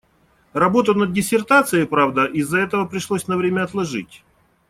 Работу над диссертацией, правда, из‑за этого пришлось на время отложить.